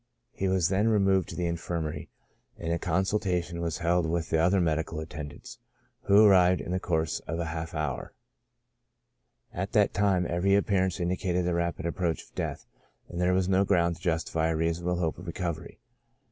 He was then removed to the infirmarv, and a consultation was held with the other medical attendants, who arrived in the course of half an hour ; at that time every appearance indicated the rapid approach of death, and there was no ground to justify a reasonable hope of recovery.